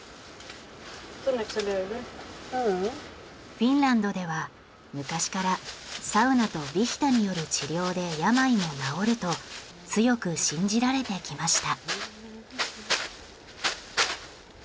フィンランドでは昔からサウナとヴィヒタによる治療で病も治ると強く信じられてきました。